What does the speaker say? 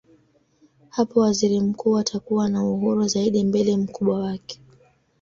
Hapo waziri mkuu atakuwa na uhuru zaidi mbele mkubwa wake.